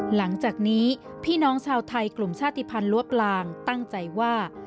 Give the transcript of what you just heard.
หลังจากนี้พี่น้องชาวไทยกลุ่มชาติภัณฑ์ล้วปลางตั้งใจว่า